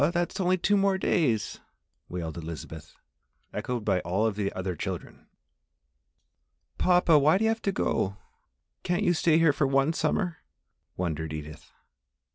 That's only two days more!" wailed Elizabeth, echoed by all of the other children. "Papa, why do you have to go can't you stay here for one summer?" wondered Edith.